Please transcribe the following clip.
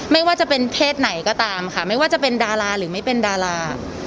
ไม่ว่าจะเป็นเพศไหนก็ตามค่ะไม่ว่าจะเป็นดาราหรือไม่เป็นดารา